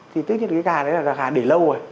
thì tức là cái gà đấy là gà để lâu rồi